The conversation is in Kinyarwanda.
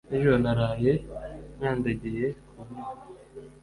Nijoro naraye nkandagiye kuntebe